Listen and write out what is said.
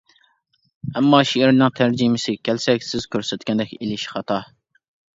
ئەمما شېئىرنىڭ تەرجىمىسىگە كەلسەك، سىز كۆرسەتكەندەك ئېلىش خاتا.